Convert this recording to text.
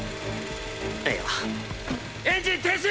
いやエンジン停止。